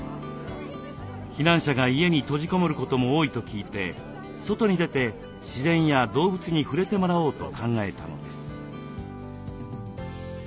避難者が家に閉じ籠もることも多いと聞いて外に出て自然や動物に触れてもらおうと考えたのです。